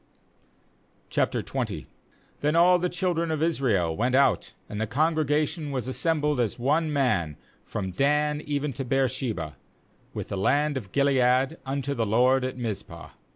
OQ Then all the children of Israel went out, and the congregation was assembled as one man, from Dan even to Beer sheba, with the land of Gilead, unto the LORD at Mizpah.